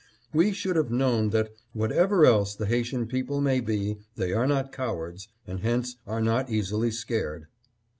We should have known that, whatever else the Haitian people may be, they are not cowards, and hence are not easily scared.